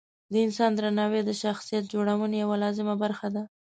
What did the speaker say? د انسان درناوی د شخصیت جوړونې یوه لازمه برخه ده.